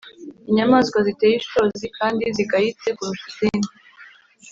inyamaswa ziteye ishozi kandi zigayitse kurusha izindi,